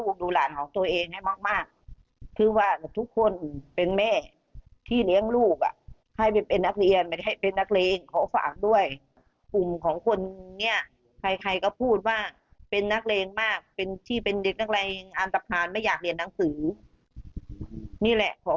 ขอความเป็นทางตรงนี้ด้วยแหละ